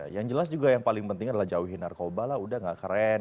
yang jelas juga yang paling penting adalah jauhi narkoba lah udah gak keren